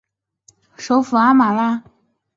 首府阿马拉。